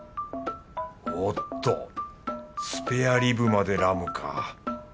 おっとスペアリブまでラムか。